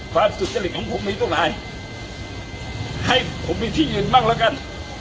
ความสุดเจริญของผมไม่ต้องหายให้ผมมีที่อื่นบ้างแล้วกัน